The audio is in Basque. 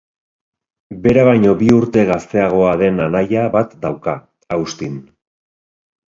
Bera baino bi urte gazteagoa den anaia bat dauka, Austin.